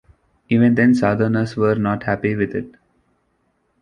Even then southerners were not happy with it.